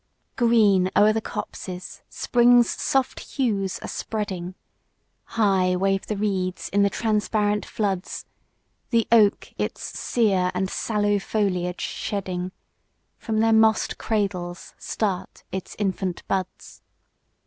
GREEN o'er the copses spring's soft hues are spreading, High wave the reeds in the transparent floods, The oak its sear and sallow foliage shedding, From their moss'd cradles start its infant buds.